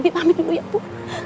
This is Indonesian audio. bibi pamit dulu ya bu